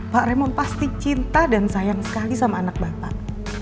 pak remon pasti cinta dan sayang sekali sama anak bapak